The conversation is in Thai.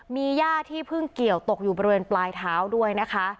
มีย่าที่เพิ่งเกี่ยวตกอยู่บริเวณปลายเท้าด้วยนะคะ